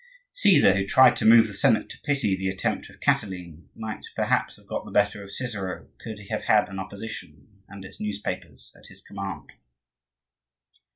Caesar, who tried to move the senate to pity the attempt of Catiline, might perhaps have got the better of Cicero could he have had an Opposition and its newspapers at his command.